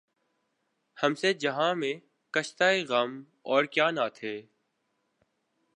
ہم سے جہاں میں کشتۂ غم اور کیا نہ تھے